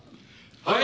はい！